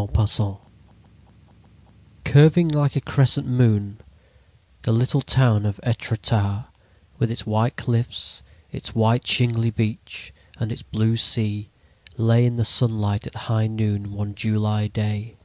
THE MODEL Curving like a crescent moon, the little town of Etretat, with its white cliffs, its white, shingly beach and its blue sea, lay in the sunlight at high noon one July day.